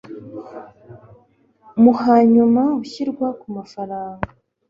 mu hanyuma ushyirwa ku mafaranga